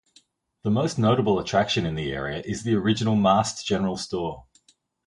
The most notable attraction in the area is the original Mast General Store.